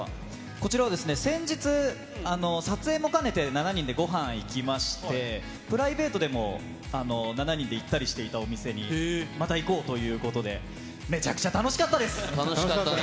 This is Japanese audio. こちらは先日、撮影も兼ねて７人でごはん行きまして、プライベートでも７人で行ったりしていたお店にまた行こうということで、めちゃくちゃ楽し楽しかったね。